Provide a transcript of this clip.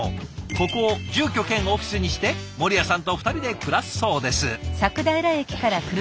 ここを住居兼オフィスにして守屋さんと２人で暮らすそうです。